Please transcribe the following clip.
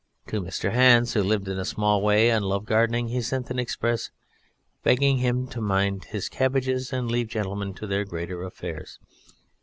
To Mr. Hans, who lived in a small way and loved gardening, he sent an express "begging him to mind his cabbages and leave gentlemen to their greater affairs."